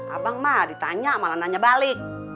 abang mah ditanya malah nanya balik